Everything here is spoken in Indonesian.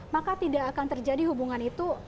maka tidak akan terjadi hubungan itu